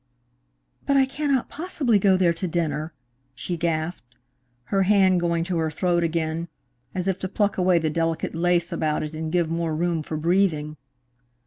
"But I cannot possibly go there to dinner," she gasped, her hand going to her throat again, as if to pluck away the delicate lace about it and give more room, for breathing.